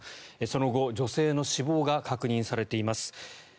その後、女性の死亡が確認されています。